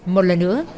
một lần nữa